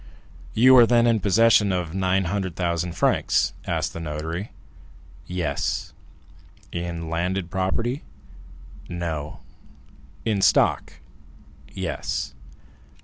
"You are then in possession of 900,000 francs?" asked the notary. "Yes." "In landed property?" "No." "In stock?" "Yes."